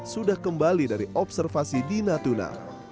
sudah kembali dari observasi di natuna